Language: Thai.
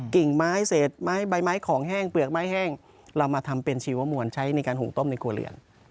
กิ่งไม้เศษไม้ใบไม้ของแห้งเปลือกไม้แห้งเรามาทำเป็นชีวมวลใช้ในการหุงต้มในครัวเรือน